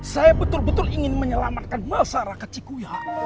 saya betul betul ingin menyelamatkan masyarakat cikuya